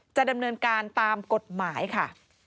จะดำเนินการตามกฎหมายค่ะ